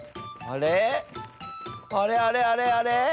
あれあれあれあれ？